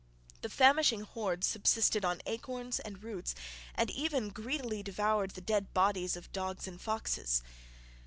The famishing hordes subsisted on acorns and roots, and even greedily devoured the dead bodies of dogs and foxes.